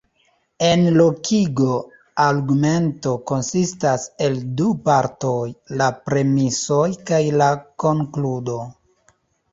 En logiko argumento konsistas el du partoj: la premisoj kaj la konkludo.